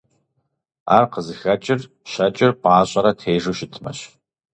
Ар къызыхэкӀыр щэкӀыр пӀащӀэрэ тежу щытмэщ.